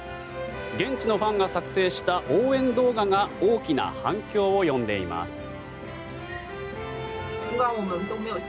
現地のファンが作成した応援動画が大きな反響を呼んでいます。